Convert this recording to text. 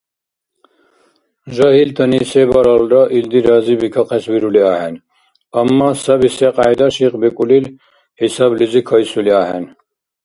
Жагьилтани се баралра, илди разибикахъес вирули ахӀен, амма саби секьяйда шикьбикӀулил хӀисаблизи кайсули ахӀен.